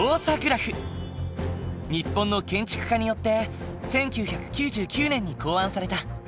日本の建築家によって１９９９年に考案された。